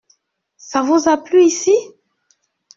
Ça vous a plu ici ?